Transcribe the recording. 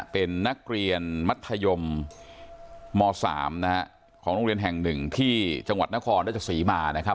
เป็นนักเรียนมัธยมม๓ของโรงเรียนแห่ง๑ที่จังหวัดนครราชศรีมานะครับ